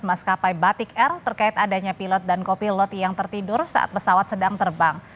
maskapai batik air terkait adanya pilot dan kopilot yang tertidur saat pesawat sedang terbang